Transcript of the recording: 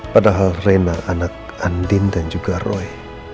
padahal reina anak andin dan juga roy